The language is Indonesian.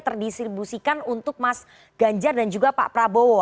terdistribusikan untuk mas ganjar dan juga pak prabowo